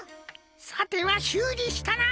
さてはしゅうりしたな。